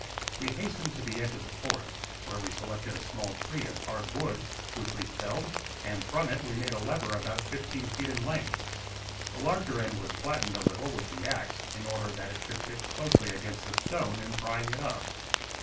We hastened to the edge of the forest, where we selected a small tree of hard wood, which we felled; and from it we made a lever about fifteen feet in length. The larger end was flattened a little with the axe, in order that it should fit closely against the stone in prying it up.